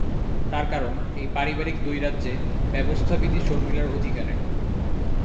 তার কারণ, এই পারিবারিক দ্বৈরাজ্যে ব্যবস্থাবিধি শর্মিলার অধিকারে।